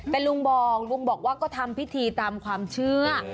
แต่ลุงบอกลุงบอกว่าก็ทำพิธีตามความเชื่อ